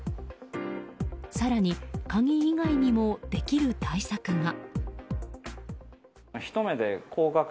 更に、鍵以外にもできる対策が。